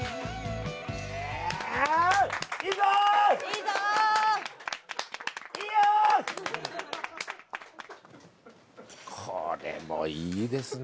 いいよ！これもいいですね。